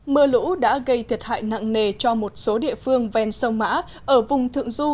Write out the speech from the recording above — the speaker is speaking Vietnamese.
mưa lũ đã gây thiệt hại nặng nề cho một số địa phương ven sông mã ở vùng thượng du